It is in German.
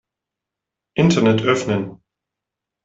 Internet öffnen.